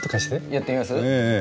やってみます？